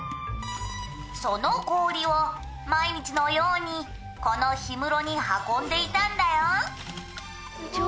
「その氷を毎日のようにこの氷室に運んでいたんだよ」